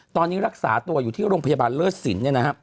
ตอนนี้รักษาตัวอยู่ที่โรงพยาบาลเลิศสิน